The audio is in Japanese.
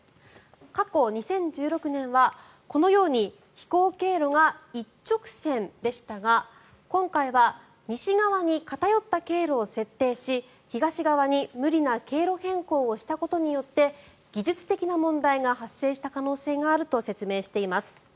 過去、２０１６年はこのように飛行経路が一直線でしたが今回は西側に偏った経路を設定し東側に無理な経路変更をしたことによって技術的な問題が発生した可能性があると説明しています。